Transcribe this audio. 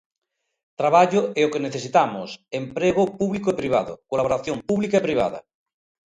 Traballo é o que necesitamos, emprego, público e privado, colaboración pública e privada.